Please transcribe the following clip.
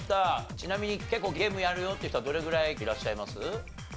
ちなみに結構ゲームやるよって人はどれぐらいいらっしゃいます？